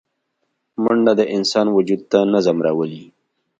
منډه د انسان وجود ته نظم راولي